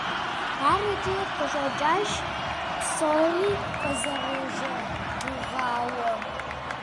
Ар икӏи къыщӏэкӏащ псори къызэрыщыгугъауэ.